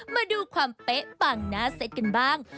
มาดูความเป๊ะปังหน้าเซ็ตกันบ้าง